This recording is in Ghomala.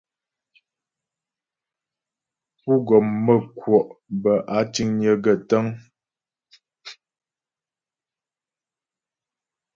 Pú́ gɔm mə́ kwɔ' bə́ áa tíŋnyə̌ gaə́ tə́ŋ.